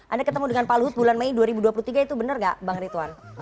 anda ketemu dengan pak luhut bulan mei dua ribu dua puluh tiga itu benar nggak bang ritwan